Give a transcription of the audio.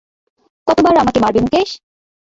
কতবার আমাকে মারবে মুকেশ?